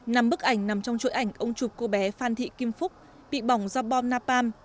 nằm bức ảnh nằm trong chuỗi ảnh ông chụp cô bé phan thị kim phúc bị bỏng do bom napam